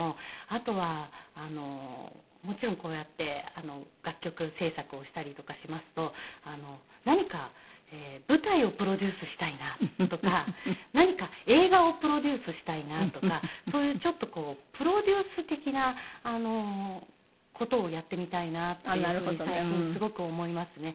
あとはもちろんこうやって楽曲制作をしたりとかしますと何か舞台をプロデュースしたいなとか何か映画をプロデュースしたいなとかそういうちょっとプロデュース的な事をやってみたいなっていうふうに最近すごく思いますね。